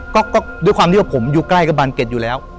ก็ด้วยความที่ว่าผมอยู่ใกล้กับบานเก็ตอยู่แล้ว